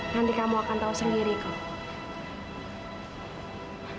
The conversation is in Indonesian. nanti kamu akan tahu sendiri kok